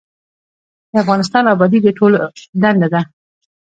د افغانستان ابادي د ټولو دنده ده